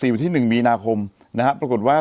วันที่๑มีนาคมนะฮะปรากฏว่า